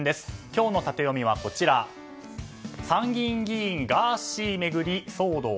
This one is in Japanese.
今日のタテヨミは参議院議員ガーシー巡り騒動。